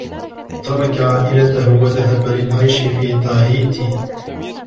ترك عائلته و ذهب للعيش في تاهيتي.